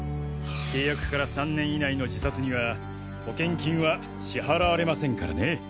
契約から３年以内の自殺には保険金は支払われませんからね。